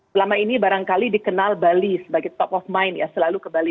selama ini barangkali dikenal bali sebagai top of mind ya selalu ke bali